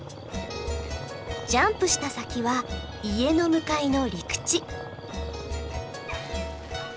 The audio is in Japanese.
ジャンプした先は家の向かいの陸地。